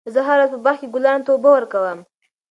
زه هره ورځ په باغ کې ګلانو ته اوبه ورکوم.